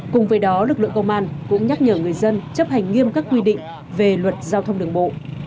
cùng với đó lực lượng công an cũng nhắc nhở người dân chấp hành nghiêm các quy định về luật giao thông đường bộ